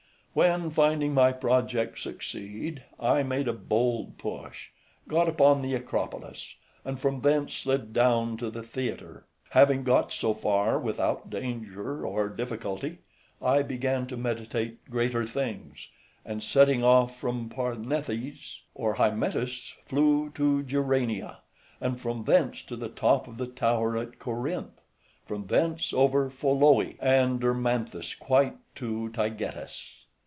When, finding my project succeed, I made a bold push, got upon the Acropolis {166a} and from thence slid down to the theatre. Having got so far without danger or difficulty, I began to meditate greater things, and setting off from Parnethes or Hymettus {166b} flew to Geranea, {166c} and from thence to the top of the tower at Corinth; from thence over Pholoe {166d} and Erymanthus quite to Taygetus.